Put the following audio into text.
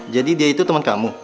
jadi dia itu temen kamu